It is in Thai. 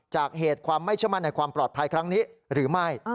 เหตุความไม่เชื่อมั่นในความปลอดภัยครั้งนี้หรือไม่